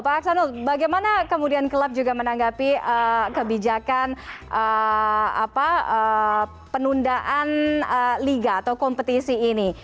pak aksanul bagaimana kemudian klub juga menanggapi kebijakan penundaan liga atau kompetisi ini